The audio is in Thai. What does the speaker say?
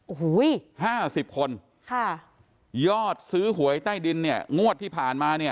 โอ้โหห้าสิบคนค่ะยอดซื้อหวยใต้ดินเนี่ยงวดที่ผ่านมาเนี่ย